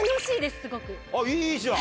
いいじゃん。